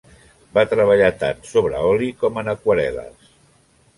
Va treballar tant sobre oli com en aquarel·les.